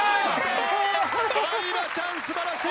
愛空ちゃん素晴らしい！